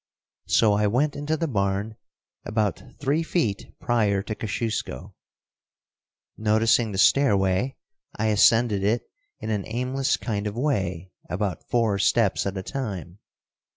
So I went into the barn, about three feet prior to Kosciusko. [Illustration: THE COMBAT.] Noticing the stairway, I ascended it in an aimless kind of way, about four steps at a time.